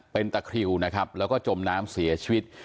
เป็นตะคลิวและจมน้ำเสียชีวิต